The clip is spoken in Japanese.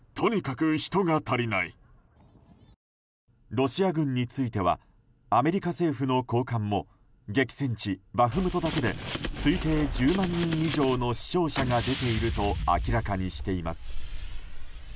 ロシア軍についてはアメリカ政府の高官も激戦地バフムトだけで推定１０万人以上の死傷者が出ていると明らかにしています。